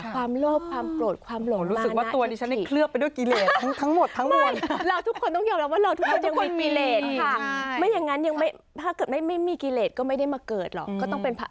ความโลภความโกรธความหลงมาน่าอิทธิ